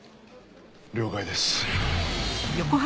了解です。